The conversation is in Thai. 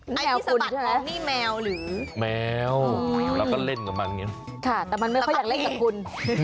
แมวคุณใช่ไหมแมวเราก็เล่นกับมันอย่างนี้ค่ะแต่มันไม่ค่อยอยากเล่นกับคุณ